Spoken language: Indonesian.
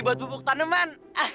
buat bubuk taneman